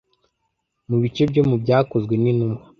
Mu bice byo mu Byakozwe n'Intumwa,